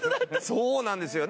そうなんですよ